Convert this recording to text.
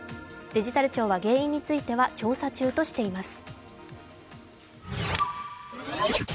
デジタル庁は原因については調査中としています。